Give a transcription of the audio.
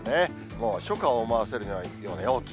もう初夏を思わせるような陽気。